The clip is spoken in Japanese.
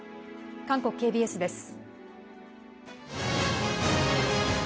韓国ＫＢＳです。